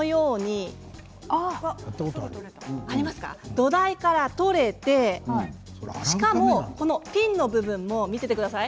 土台から取れてしかも、ピンの部分も見ていてください。